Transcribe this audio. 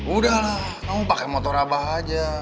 udah lah kamu pakai motor abah aja